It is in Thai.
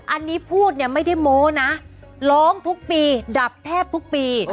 อันนี้พูดเนี่ยไม่ได้โม้นะร้องทุกปีดับแทบทุกปี